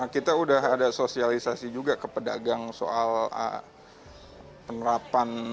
kita sudah ada sosialisasi juga ke pedagang soal penerapan